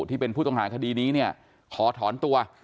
ที่เป็นผู้ต้องหาคดีนี้เนี่ยขอถอนตัว